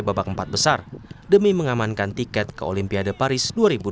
babak empat besar demi mengamankan tiket ke olimpiade paris dua ribu dua puluh